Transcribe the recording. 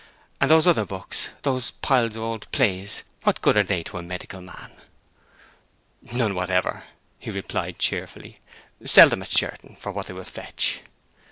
And those other books—those piles of old plays—what good are they to a medical man?" "None whatever!" he replied, cheerfully. "Sell them at Sherton for what they will fetch."